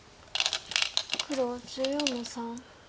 黒１４の三。